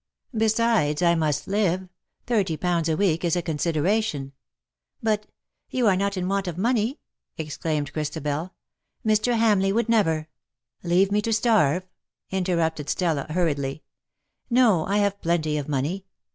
Besides, I must live — thirty pounds a week is a consideration.^^ " But — you are not in want of money ?'^ exclaimed Christabel. " Mr. Hamleigh would never '^" Leave me to starve,'^ interrupted Stella, hur riedly j "no, I have plenty of money.